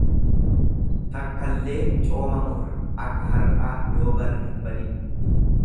Takkallee cooma murra, akka har'aa yoo barri hin badin.